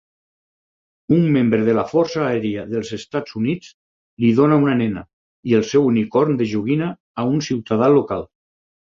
Un membre de la força aèria dels Estats Units li dona una nena i el seu unicorn de joguina a un ciutadà local